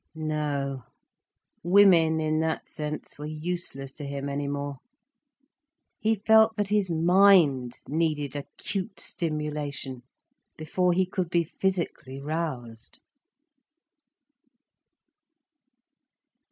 No, women, in that sense, were useless to him any more. He felt that his mind needed acute stimulation, before he could be physically roused.